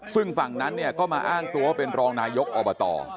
ซึ่งฝั่งนั้นเนี่ยก็มาอ้างตัวว่าเป็นรองนายกอบต